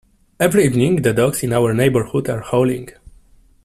Every evening, the dogs in our neighbourhood are howling.